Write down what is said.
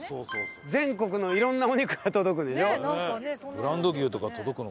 全国のいろんなお肉が届くんでしょ？